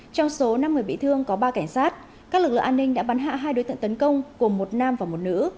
trong số năm người bị thương có ba cảnh sát các lực lượng an ninh đã bắn hạ hai đối tượng tấn công gồm một nam và một nữ